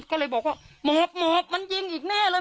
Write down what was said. ก็เลยบอกว่าหมอบหมอบมันยิงอีกแน่เลย